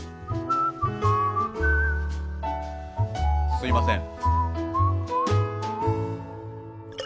すみません。